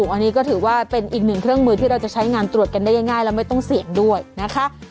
อันนี้ก็ถือว่าเป็นอีกหนึ่งเครื่องมือที่เราจะใช้งานตรวจกันได้ง่ายแล้วไม่ต้องเสี่ยงด้วยนะคะ